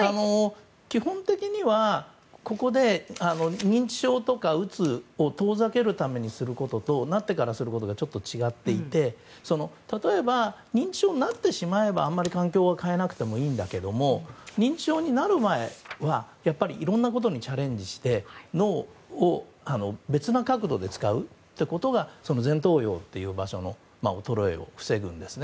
基本的にはここで認知症とかうつを遠ざけるためにすることとなってからすることはちょっと違っていて例えば認知症になってしまえばあまり環境を変えなくてもいいんだけれども認知症になる前はやっぱりいろんなことにチャレンジして脳を別の角度で使うことが前頭葉という場所の衰えを防ぐんですね。